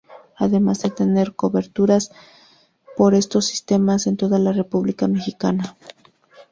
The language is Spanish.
Además de tener cobertura por estos sistemas en toda la república mexicana.